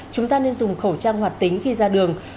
chúng ta nên dùng khẩu trang hoạt tính khi ra đường